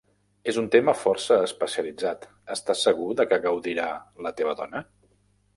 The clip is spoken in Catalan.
És un tema força especialitzat, estàs segur de què gaudirà la teva dona?